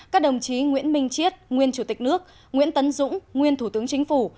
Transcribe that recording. các đồng chí nguyễn minh chiết nguyên chủ tịch nước nguyễn tấn dũng nguyên thủ tướng chính phủ